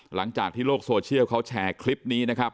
หลังจากที่โลกโซเชียลเขาแชร์คลิปนี้นะครับ